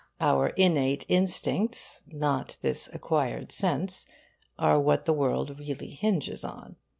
Our innate instincts, not this acquired sense, are what the world really hinges on.